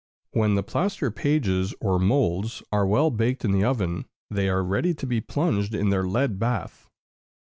When the plaster pages, or moulds, are well baked in the oven, they are ready to be plunged in their lead bath.